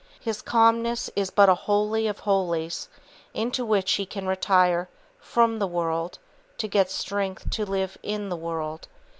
His calmness is but a Holy of Holies into which he can retire from the world to get strength to live in the world.